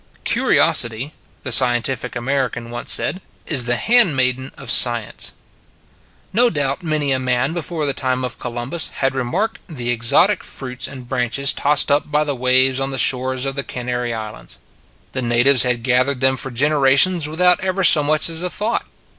Curiosity [the " Scientific American " once said] is the hand maiden of Science. No doubt many a man before the time of Columbus had remarked the exotic fruits and branches tossed up by the waves on the shores of the Canary Islands. The natives had gath ered them for generations without ever so much as a thought.